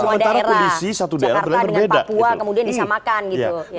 sementara polisi satu daerah berbeda